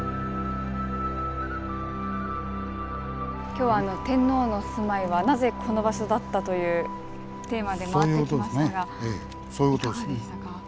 今日は「天皇の住まいはなぜこの場所だった？」というテーマで回ってきましたがいかがでしたか？